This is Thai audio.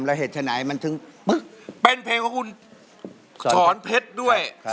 แล้วเหตุฉะนายมันถึงเป็นเพลงของคุณสด้วย